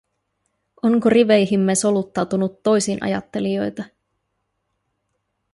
Onko riveihimme soluttautunut toisinajattelijoita?